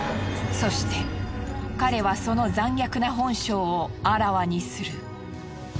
そして彼はその残虐な本性をあらわにする。